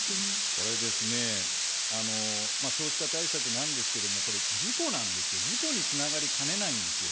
これですね、少子化対策なんですけれども、これ、事故なんですよ、事故につながりかねないんですよ。